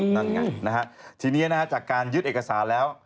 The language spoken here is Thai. นั่นไงนะฮะทีนี้จากการยึดเอกสารแล้ว